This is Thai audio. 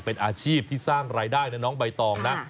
เป็นอาชีพที่สร้างรายได้นะน้องใบตองนะ